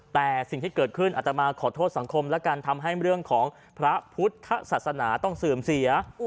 แต่สิ่งที่เกิดขึ้นอัตมาขอโทษสังคมแล้วกันทำให้เรื่องของพระพุทธศาสนาต้องเสื่อมเสีย